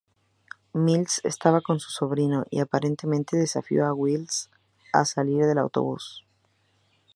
Mills estaba con su sobrino, y aparentemente desafió a Wells a salir del autobús.